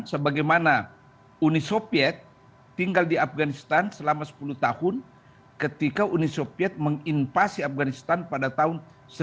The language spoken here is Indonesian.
sebagaimana uni soviet tinggal di afganistan selama sepuluh tahun ketika uni soviet menginvasi afganistan pada tahun seribu sembilan ratus sembilan puluh